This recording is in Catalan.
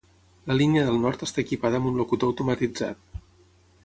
La línia del nord està equipada amb un locutor automatitzat.